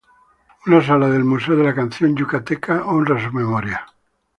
Una sala del "Museo de la canción yucateca" honra su memoria.